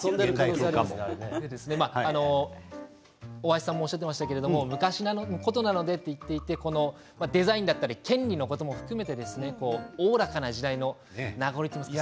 大橋さんもおっしゃっていましたが昔のことなのでと言ってデザインだったり権利のことも含めておおらかな時代の名残といいますか。